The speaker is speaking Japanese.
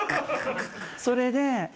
それで。